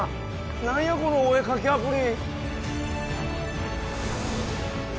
何やこのお絵かきアプリ。